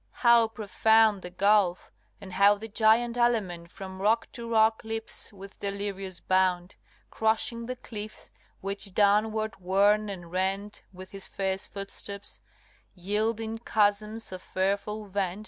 How profound The gulf! and how the giant element From rock to rock leaps with delirious bound, Crushing the cliffs, which, downward worn and rent With his fierce footsteps, yield in chasms a fearful vent LXXI.